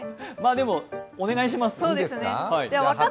でも、お願いします。